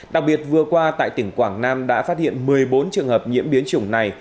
đặc biệt vừa qua tại tỉnh quảng nam đã phát hiện một mươi bốn trường hợp nhiễm biến chủng này